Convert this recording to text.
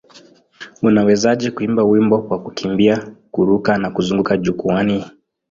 Unawezaje kuimba wimbo kwa kukimbia, kururuka na kuzunguka jukwaani?